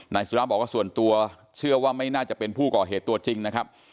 นายสุราบอกว่าส่วนตัวเชื่อว่าไม่น่าจะเป็นผู้ก่อเหตุตัวจริงนะครับ